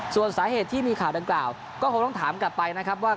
ส่วนสาเหตุที่มีข่าวดังกล่าวก็คงต้องถามกลับไปนะครับว่า